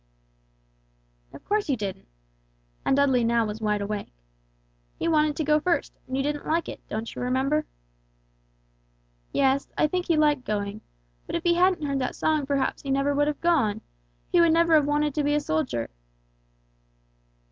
"Of course you didn't," and Dudley now was wide awake. "He wanted to go first, and you didn't like it, don't you remember?" "Yes, I think he liked going; but if he hadn't heard that song perhaps he would never have gone, he would never have wanted to be a soldier."